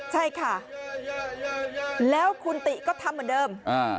ใช่ค่ะแล้วคุณติก็ทำเหมือนเดิม